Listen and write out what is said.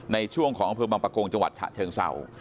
ในช่วงของอำเภอบังปะโกงจังหวัดฉะเชิงเศร้า